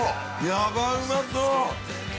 ◆やば、うまそう。